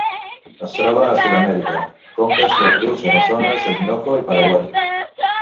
Es troba a Sud-amèrica: conques dels rius Amazones, Orinoco i Paraguai.